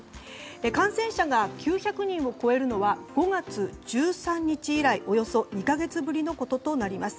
感染者が９００人を超えるのは５月１３日以来およそ２か月ぶりのこととなります。